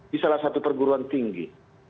di salah satu perguruan tinggi